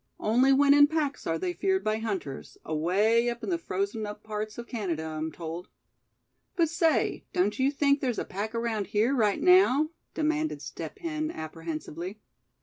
Only when in packs are they feared by hunters, away up in the frozen up parts of Canada, I'm told." "But, say, don't you think there's a pack around here, right now?" demanded Step Hen, apprehensively.